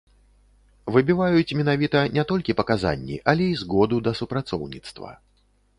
Выбіваюць менавіта не толькі паказанні, але і згоду да супрацоўніцтва.